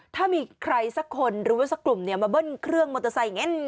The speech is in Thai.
ถ้ามีใครสักคนหรือวิวเซอร์กลุ่มมาเบิ้ลเครื่องมอเตอร์ไซย์